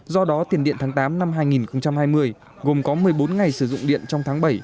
do đó tiền điện tháng tám năm hai nghìn hai mươi gồm có một mươi bốn ngày sử dụng điện trong tháng bảy